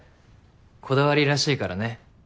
こだわりらしいからね